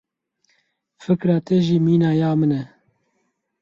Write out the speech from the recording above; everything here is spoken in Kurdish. Fikra te jî mîna ya min e.